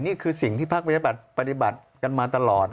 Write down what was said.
นี่คือสิ่งที่ภักดิ์วิทยาบาลปฏิบัติกันมาตลอด